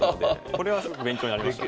これはすごく勉強になりました。